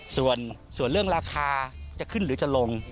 ส่วนเรื่องราคาจะขึ้นหรือจะลง